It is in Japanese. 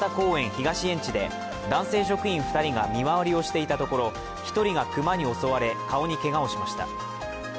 東園地で、男性職員２人が見回りをしていたところ１人が熊に襲われ、顔にけがをしました。